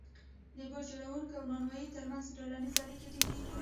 د بوټ جوړونکي او نانوای ترمنځ ټولنیزې اړیکې ټینګېږي